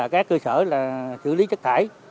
các cơ sở xử lý chất thải